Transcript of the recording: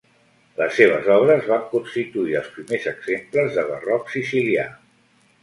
Les seves obres van constituir els primers exemples de barroc sicilià.